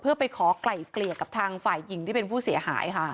เพื่อไปขอไกล่เกลี่ยกับทางฝ่ายหญิงที่เป็นผู้เสียหายค่ะ